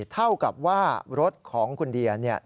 เท่ากับว่ารถของคุณเดีย